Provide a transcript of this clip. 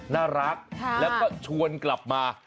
น่ารักแล้วก็ชวนกลับมา